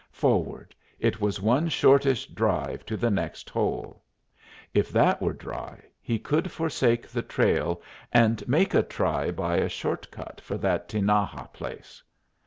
Forward, it was one shortish drive to the next hole. If that were dry, he could forsake the trail and make a try by a short cut for that Tinaja place.